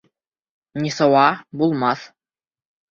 Нисауа, булмаҫ.